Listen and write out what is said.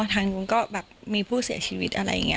ทางนู้นก็แบบมีผู้เสียชีวิตอะไรอย่างนี้